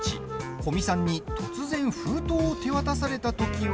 古見さんに、突然封筒を手渡されたときは。